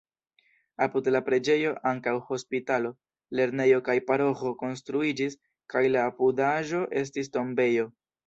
Apud la preĝejo ankaŭ hospitalo, lernejo kaj paroĥo konstruiĝis kaj la apudaĵo estis tombejo.